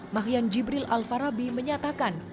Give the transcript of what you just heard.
mahian jibril alfarabi menyatakan